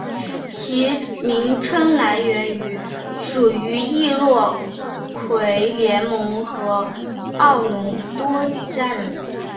其名称来源于属于易洛魁联盟的奥农多加人。